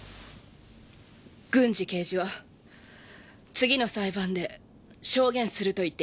郡侍刑事は次の裁判で証言すると言っていました。